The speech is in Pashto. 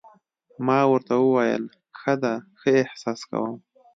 ما ورته وویل: ښه ده، ښه احساس کوم.